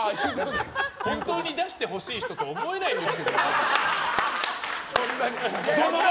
本当に出してほしい人と思えないですよ。